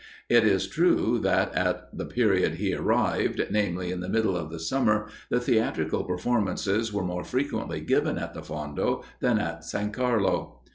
It is true that, at the period he arrived namely in the middle of the summer, the theatrical performances are more frequently given at the Fondo than at San Carlo.